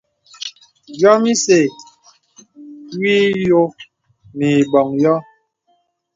Yɔ̄m isɛ̂ wɔ ìyɔ̄ɔ̄ mə i bɔŋ yɔ̄.